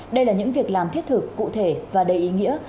đây là những việc làm thiết thực cụ thể và đầy ý nghĩa